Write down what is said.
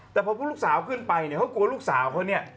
แต่พอพวกลูกสาวขึ้นไปเนี่ยเขากลัวลูกสาวเขาเนี่ย